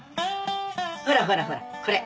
ほらほらほらこれ。